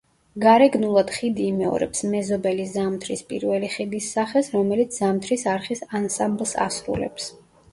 გარეგნულად ხიდი იმეორებს მეზობელი ზამთრის პირველი ხიდის სახეს, რომელიც ზამთრის არხის ანსამბლს ასრულებს.